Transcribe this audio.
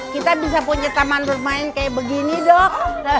kita bisa punya taman bermain kayak begini dok